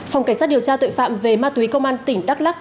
phòng cảnh sát điều tra tội phạm về ma túy công an tỉnh đắk lắc